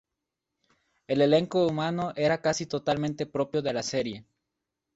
El elenco humano era casi totalmente propio de la serie.